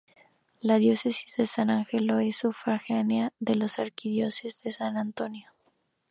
La Diócesis de San Angelo es sufragánea de la Arquidiócesis de San Antonio.